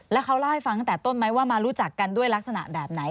แล้วเขาเล่าให้ฟังตั้งแต่ต้นไหมว่ามารู้จักกันด้วยลักษณะแบบไหน